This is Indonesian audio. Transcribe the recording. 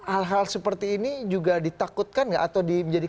hal hal seperti ini juga ditakutkan nggak